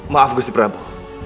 maaf gusti prabu